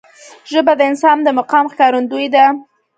ژبه د انسان د مقام ښکارندوی ده